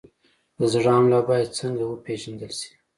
د زړه حمله باید څنګه وپېژندل شي؟